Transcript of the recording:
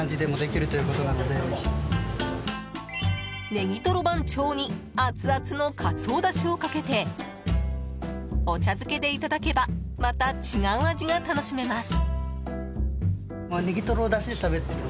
ねぎとろ番長にアツアツのカツオだしをかけてお茶漬けでいただけばまた違う味が楽しめます。